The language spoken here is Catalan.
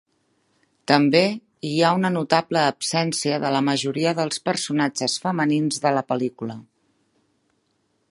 També, hi ha una notable absència de la majoria dels personatges femenins de la pel·lícula.